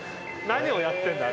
何をやってんだ？